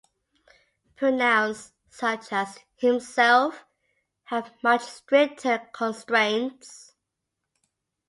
Pronouns such as "himself" have much stricter constraints.